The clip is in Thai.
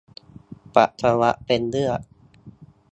ปัสสาวะเป็นเลือด